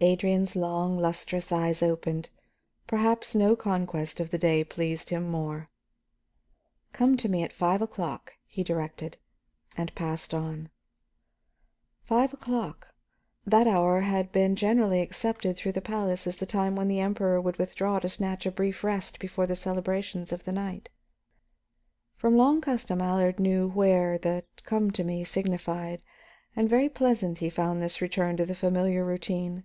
Adrian's long lustrous eyes opened; perhaps no conquest of the day pleased him more. "Come to me at five o'clock," he directed, and passed on. Five o'clock. That hour had been generally accepted through the palace as the time when the Emperor would withdraw to snatch a brief rest before the celebrations of the night. From long custom Allard knew where the "come to me" signified, and very pleasant he found his return to the familiar routine.